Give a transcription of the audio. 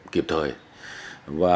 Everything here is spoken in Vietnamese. kịp thời và